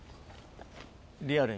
リアルに。